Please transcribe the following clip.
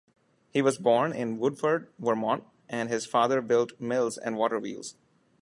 He was born in Woodford, Vermont, and his father built mills and waterwheels.